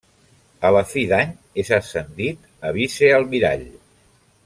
A la fi d'any és ascendit a vicealmirall.